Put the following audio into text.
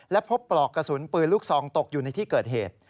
และพบปลอกกระสุนปืนลูกซองตกอยู่ในที่เกิดเหตุ